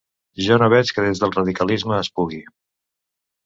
Jo no veig que des del radicalisme es pugui.